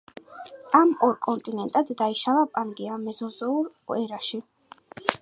ამ ორ კონტინენტად დაიშალა პანგეა მეზოზოურ ერაში.